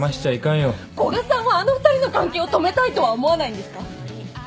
古賀さんはあの２人の関係を止めたいとは思わないんですか？